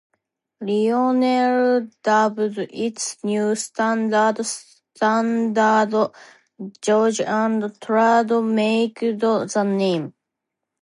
Lionel dubbed its new standard Standard Gauge and trademarked the name.